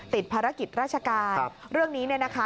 ติดภารกิจราชการเรื่องนี้เนี่ยนะคะ